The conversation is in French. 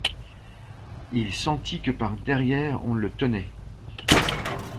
Il sentit que par derrière on le tenait.